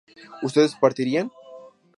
ustedes partirían